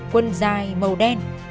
quân dài màu đen